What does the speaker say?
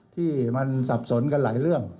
ที่มันสับสนกันหลายเรื่อง